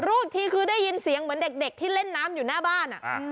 รู้อีกทีคือได้ยินเสียงเหมือนเด็กที่เล่นน้ำอยู่หน้าบ้าน